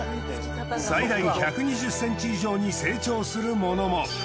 最大１２０ｃｍ以上に成長するものも。